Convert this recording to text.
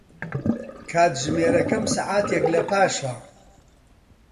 کاتژمێرەکەم سەعاتێک لەپاشە.